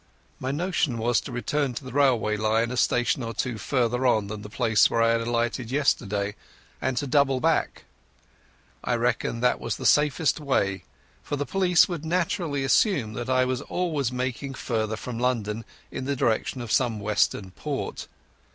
My notion was to return to the railway line a station or two farther on than the place where I had alighted yesterday and to double back. I reckoned that that was the safest way, for the police would naturally assume that I was always making farther from London in the direction of some western port.